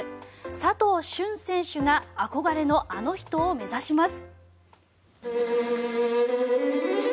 佐藤駿選手が憧れのあの人を目指します。